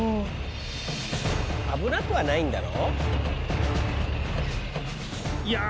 危なくはないんだろ？